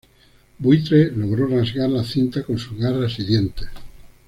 Buitre logró rasgar la cinta con sus garras y dientes.